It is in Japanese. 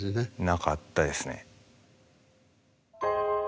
なかったですね。